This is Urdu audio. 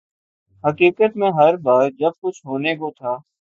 حقیقت میں ہر بار جب کچھ ہونے کو تھا۔